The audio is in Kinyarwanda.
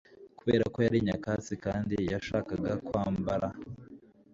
kubera ko yari nyakatsi kandi yashakaga kwambara